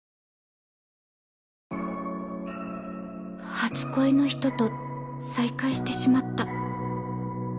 初恋の人と再会してしまった